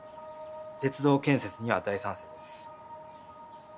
鉄道建設には大賛成です。